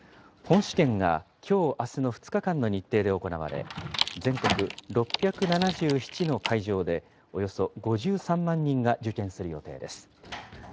本試験がきょう、あすの２日間の日程で行われ、全国６７７の会場で、およそ５３万人が受験する予定です。